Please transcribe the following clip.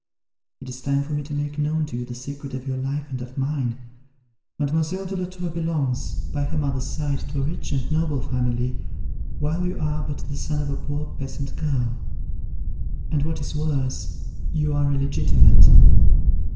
It is time for me to make known to you the secret of your life and of mine. Mademoiselle de la Tour belongs, by her mother's side, to a rich and noble family, while you are but the son of a poor peasant girl; and what is worse you are illegitimate."